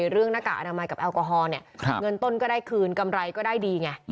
หน้ากากอนามัยกับแอลกอฮอลเนี่ยเงินต้นก็ได้คืนกำไรก็ได้ดีไง